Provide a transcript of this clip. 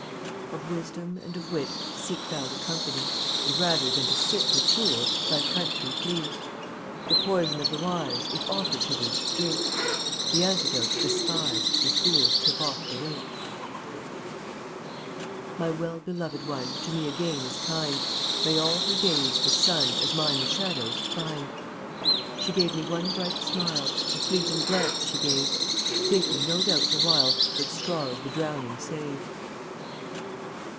22 Of Wisdom and of Wit Seek thou the company, And rather than to sit With fools, thy country flee. The poison of the wise, If offered to thee, drink; The antidote despise If fools tip off the wink. 23 My well beloved one To me again is kind. May all her days the sun, As mine the shadows, find. She gave me one bright smile, A fleeting glance she gave, Thinking, no doubt, the while That straws the drowning save.